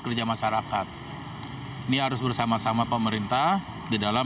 karena masyarakat adalah pembayar wajib pajak mereka harus punya kepuasan